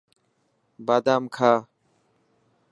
بادام کا.